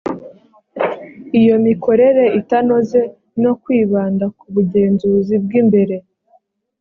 iyo mikorere itanoze no kwibanda ku bugenzuzi bw imbere